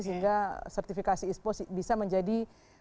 sehingga sertifikasi ispo bisa menjadi